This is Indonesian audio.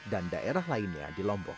dan daerah lainnya di lombok